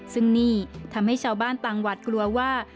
ซึ่งนี่ทำให้ชาวบ้านต่างหวัดกลัวว่า